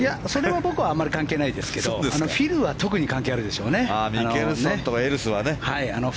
僕はあまり関係ないですけどフィルは特に関係あるでしょうね。